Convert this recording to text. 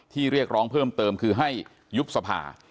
เรียกร้องเพิ่มเติมคือให้ยุบสภา